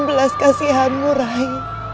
belas kasihanmu rai